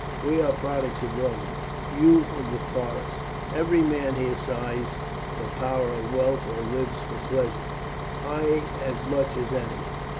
We are products of Rome, you of the forest; every man here sighs for power or wealth, or lives for pleasure I as much as any.